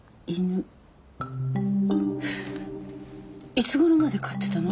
いつごろまで飼ってたの？